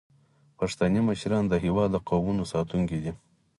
پښتني مشران د هیواد د قومونو ساتونکي دي.